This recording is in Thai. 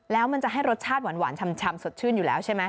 แล้วมันจะให้รสชาติหวานชำสดชื่นอยู่แล้วใช่ไหม